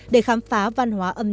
có thêm câu hỏi không